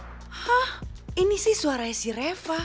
hah ini sih suaranya si reva